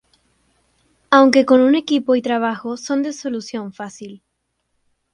Aunque con un equipo y trabajo son de solución fácil.